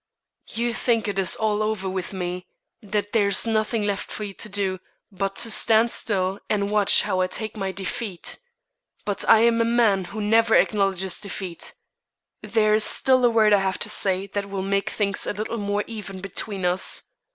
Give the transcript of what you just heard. "You think it is all over with me; that there is nothing left for you to do but to stand still and watch how I take my defeat. But I am a man who never acknowledges defeat. There is still a word I have to say that will make things a little more even between us.